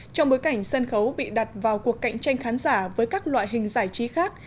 trong bối cảnh sân khấu bị đặt vào cuộc cạnh tranh khán giả với các loại hình giải trí khác